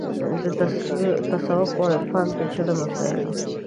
د تصوف او عرفان پېچلو مسایلو